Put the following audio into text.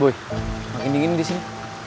wah makin dingin di sini